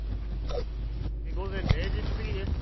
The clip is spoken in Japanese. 午前０時過ぎです。